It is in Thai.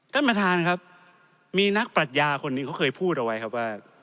ท่านประธานครับมีนักปรัชญาคนนี้เขาเคยพูดเอาไว้ครับว่า